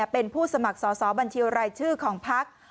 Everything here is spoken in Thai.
เป็นผู้สมัครสอบบัญชีรายชื่อของพัก